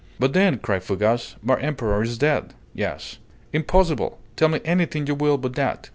"But then," cried Fougas, "my Emperor is dead!" "Yes." "Impossible! Tell me anything you will but that!